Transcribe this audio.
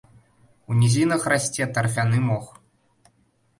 У нізінах расце тарфяны мох.